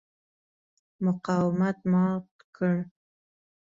مقاومت مات کړ.